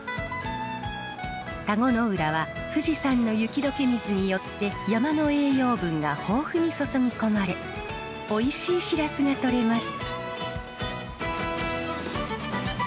田子の浦は富士山の雪どけ水によって山の栄養分が豊富に注ぎ込まれおいしいシラスがとれます。